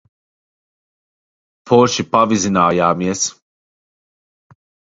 Forši pavizinājāmies.